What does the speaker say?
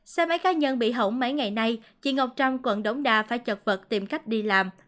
xe máy cá nhân bị hổng mấy ngày nay chị ngọc trâm quận đống đa phải chọc vật tìm cách đi làm